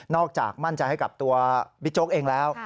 จากมั่นใจให้กับตัวบิ๊กโจ๊กเองแล้ว